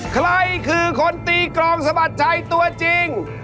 ใครคือคนตีกรองสะบัดใจตัวจริง